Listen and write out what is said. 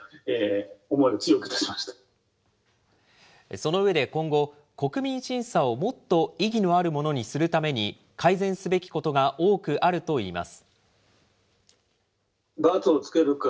その上で今後、国民審査をもっと意義のあるものにするために改善すべきことが多くあるといいます。